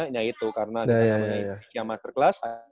nah itu karena kita namanya xg masterclass